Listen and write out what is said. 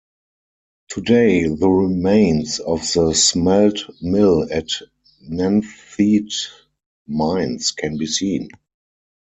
Today the remains of the smelt mill at Nenthead Mines can be seen.